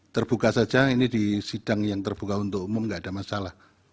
terbuka saja ini di sidang yang terbuka untuk umum tidak ada masalah